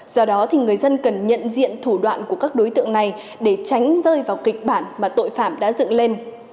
do đó người dân cần nhận diện thủ đoạn của các đối tượng này để tránh rơi vào kịch bản mà tội phạm đã dựng lên